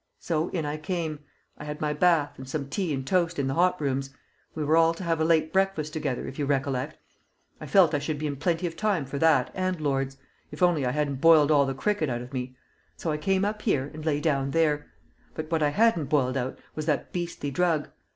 So in I came. I had my bath, and some tea and toast in the hot rooms; we were all to have a late breakfast together, if you recollect. I felt I should be in plenty of time for that and Lord's if only I hadn't boiled all the cricket out of me. So I came up here and lay down there. But what I hadn't boiled out was that beastly drug.